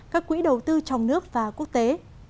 các quỹ đầu tư trong nước và quốc tế